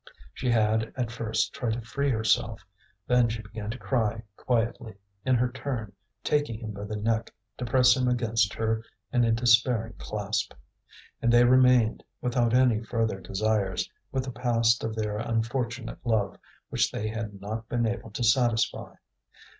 She had at first tried to free herself; then she began to cry quietly, in her turn taking him by the neck to press him against her in a despairing clasp. And they remained, without any further desires, with the past of their unfortunate love, which they had not been able to satisfy.